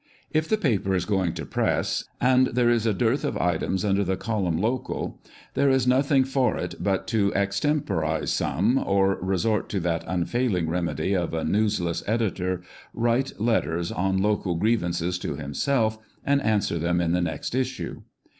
If the papei is going to press, and there is a dearth ol "items" under the column "local," there is nothing for it but to extemporise some, or resort to that unfailing remedy of a newsless editor, write letters on local grievances to himself, and answer them in the next issue.